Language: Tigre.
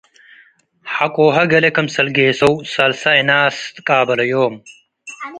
ሐቆሀ ገሌ ክምሰል ጌሰው ሳልሳይ እናስ ትቃበለዮም።